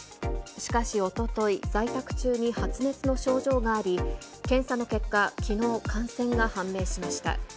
しかし、おととい、在宅中に発熱の症状があり、検査の結果、きのう感染が判明しました。